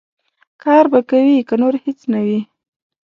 کار به کوې، که نور هېڅ نه وي.